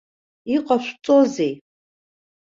Иҟашәҵозеи?